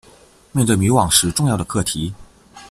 面对迷惘时重要的课题